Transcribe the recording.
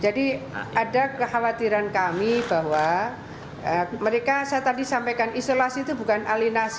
jadi ada kekhawatiran kami bahwa mereka saya tadi sampaikan isolasi itu bukan alinasi